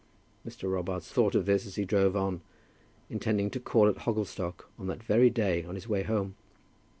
Mr. Robarts thought of this as he drove on, intending to call at Hogglestock on that very day on his way home.